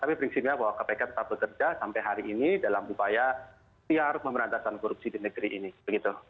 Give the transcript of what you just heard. tapi prinsipnya bahwa kpk tetap bekerja sampai hari ini dalam upaya tiar pemberantasan korupsi di negeri ini begitu